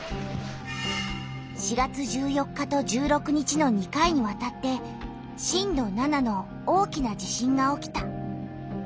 ４月１４日と１６日の２回にわたって震度７の大きな地震が起きた。